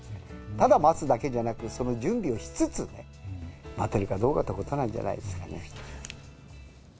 ただ待つだけじゃなく、その準備をしつつね、待てるかどうかということなんじゃないですかね。